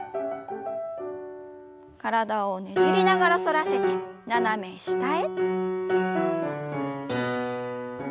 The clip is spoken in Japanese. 体をねじりながら反らせて斜め下へ。